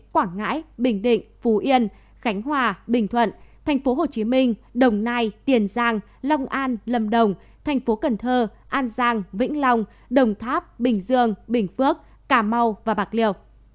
quảng ngãi bình định phú yên khánh hòa bình thuận thành phố hồ chí minh đồng nai tiền giang long an lâm đồng thành phố cần thơ an giang vĩnh long đồng tháp bình dương bình phước cà mau và bạc liều